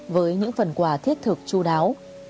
với những phần quà thiết thực chú đáo